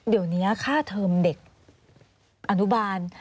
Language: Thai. เดี๋ยวนี้ค่าเทอมเด็กอนุบาล